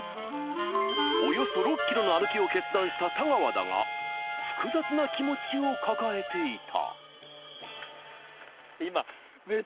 およそ６ｋｍの歩きを決断した太川だが複雑な気持ちを抱えていた。